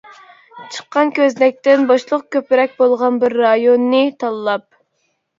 چىققان كۆزنەكتىن بوشلۇق كۆپرەك بولغان بىر رايوننى تاللاپ.